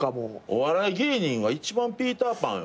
お笑い芸人は一番ピーター・パンよ。